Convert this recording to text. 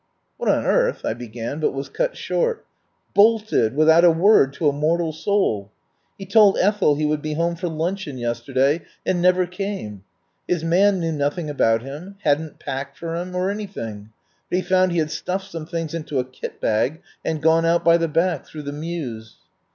"What on earth " I began, but was cut short. "Bolted without a word to a mortal soul. He told Ethel he would be home for luncheon yesterday, and never came. His man knew nothing about him, hadn't packed for him, or anything; but he found he had stuffed some things into a kit bag and gone out by the back through the mews.